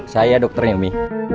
saya dokternya umi